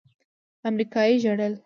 امريکايي ژړل.